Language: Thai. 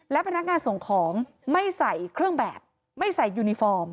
และพนักงานส่งของไม่ใส่เครื่องแบบไม่ใส่ยูนิฟอร์ม